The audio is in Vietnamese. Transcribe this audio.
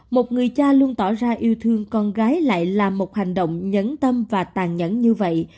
một người cha luôn tỏ ra yêu thương con gái lại là một hành động nhẫn tâm và tàn nhẫn như vậy